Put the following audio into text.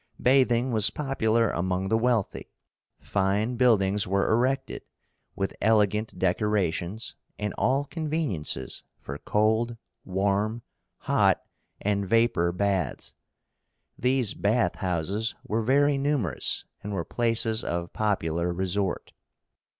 Bathing was popular among the wealthy. Fine buildings were erected, with elegant decorations, and all conveniences for cold, warm, hot, and vapor baths. These bath houses were very numerous, and were places of popular resort.